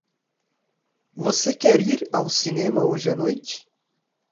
Você quer ir ao cinema hoje à noite?